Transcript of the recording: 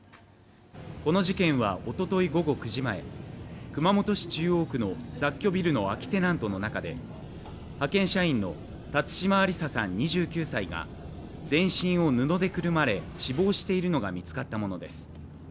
この事件はおととい午後９時前熊本市中央区の雑居ビルの空きテナントの中で派遣社員の辰島ありささん、２９歳が全身を布でくるまれ死亡しているのが見つかったものです。